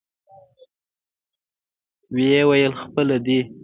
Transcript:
ويې ويل پخپله دى.